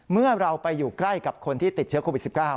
เมื่อเราไปอยู่ใกล้กับคนที่ติดเชื้อโควิด๑๙